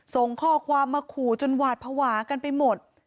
ส่งข้อความมาขู่จนหวาดภาวะกันไปหมด